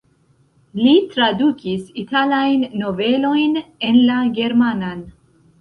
Li tradukis italajn novelojn en la germanan.